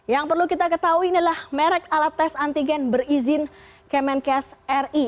yang perlu kita ketahui ini adalah merek alat tes antigen berizin kemenkes ri